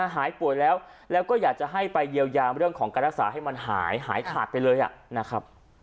หายป่วยแล้วก็อยากจะให้ไปเยี่ยวยามของการรักษาให้เหลือเผา